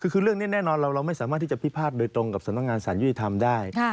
คือเรื่องนี้แน่นอนเราไม่สามารถที่จะพิพาทโดยตรงกับสำนักงานสารยุติธรรมได้